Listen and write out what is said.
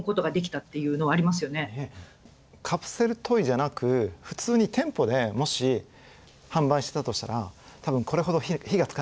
カプセルトイじゃなく普通に店舗でもし販売したとしたら多分これほど火がつかなったと思うんですよね。